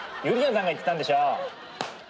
ゆりやんさんが言ってたんでしょ。